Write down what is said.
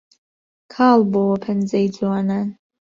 کاڵ بۆوە پەنجەی جوانان